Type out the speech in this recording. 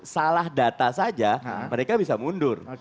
salah data saja mereka bisa mundur